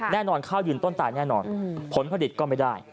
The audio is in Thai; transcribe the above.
แน่นอนข้าวยืนต้นตายแน่นอนผลผลิตก็ไม่ได้